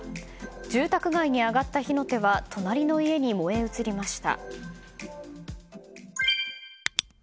住宅街に上がった火の手は隣の家に燃え移りました。